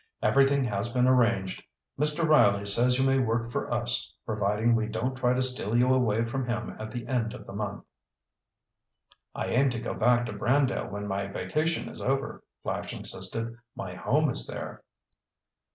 "Everything has been arranged. Mr. Riley says you may work for us, providing we don't try to steal you away from him at the end of the month." "I aim to go back to Brandale when my vacation is over," Flash insisted. "My home is there."